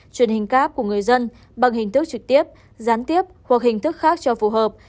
truyền hình cáp của người dân bằng hình thức trực tiếp gián tiếp hoặc hình thức khác cho phù hợp